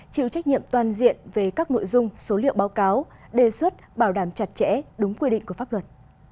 chịu trách nhiệm toàn diện về các nội dung số liệu báo cáo đề xuất bảo đảm chặt chẽ đúng quy định của pháp luật